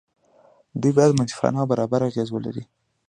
دوی باید منصفانه او برابر اغېز ولري.